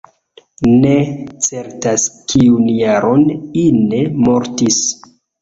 Ne certas kiun jaron Ine mortis.